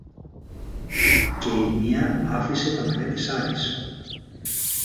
και η μια άφησε τα μαλλιά της άλλης.